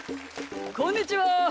こんにちは。